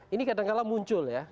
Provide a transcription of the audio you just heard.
ini kadang kadang muncul ya